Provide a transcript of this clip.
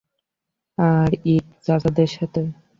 আর hot চাচাদের সাথে!